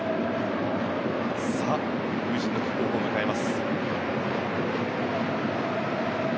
さあ、初陣のキックオフを迎えます。